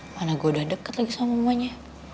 mana gue udah deket lagi sama mamanya